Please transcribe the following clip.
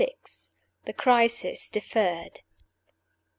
THE CRISIS DEFERRED.